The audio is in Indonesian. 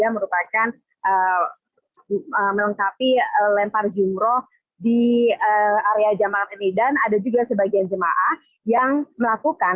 merupakan melengkapi lempar jumroh di area jamaah ini dan ada juga sebagian jemaah yang melakukan